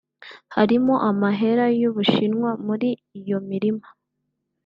harimwo amahera y'Ubushinwa muri iyo mirima